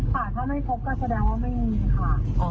ค่ะถ้าไม่พบก็แสดงว่าไม่มีค่ะ